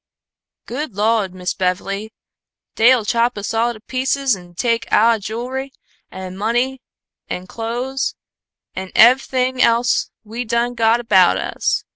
"Good Lawd, Miss Bev'ly, dey'll chop us all to pieces an' take ouah jewl'ry an' money an' clo'es and ev'ything else we done got about us.